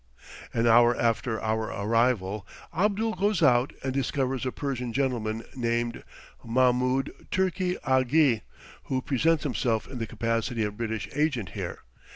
An hour after our arrival, Abdul goes out and discovers a Persian gentleman named Mahmoud Turki Aghi, who presents himself in the capacity of British agent here.